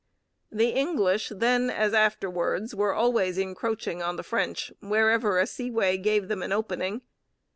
The English then, as afterwards, were always encroaching on the French wherever a seaway gave them an opening.